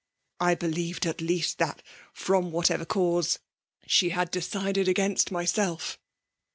" I believed at least that« from vrhatever cause, she had decided against myself.